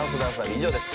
以上です。